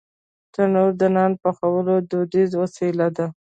تنور د نان پخولو دودیزه وسیله ده